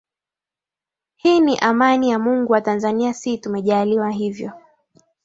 hii ni amani ya mungu watanzania si tumejaliwa hivyo